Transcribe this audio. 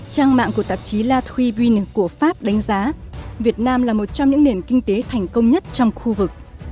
trang mạng của tạp chí lathure brince của pháp đánh giá việt nam là một trong những nền kinh tế thành công nhất trong khu vực